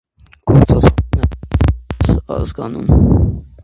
Գործածվում է նաև որպես ազգանուն։